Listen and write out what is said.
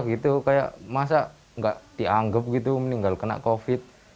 sangat kecewa masa tidak dianggap meninggal karena covid